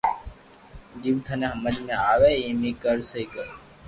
جيم ٿني ھمج مي آوي ڪر تو سھي ڪر